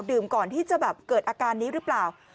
ก่อนที่จะแบบเกิดอาการนี้หรือเปล่า